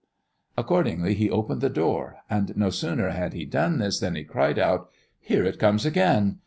Accordingly, he opened the door; and no sooner had he done this, than he cried out, "Here it comes again!"